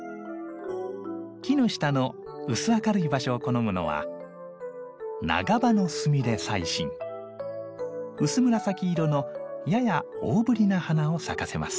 木の下の薄明るい場所を好むのは薄紫色のやや大ぶりな花を咲かせます。